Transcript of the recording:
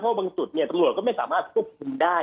เพราะบางสุดตรวจก็ไม่สามารถทบคุมได้